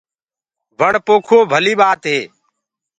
وڻ پوکوو ڀلي ٻآت هي۔